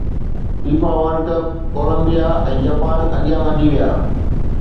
FIFA world cup Colombia ۽ Japan اڳيان وڌي ويا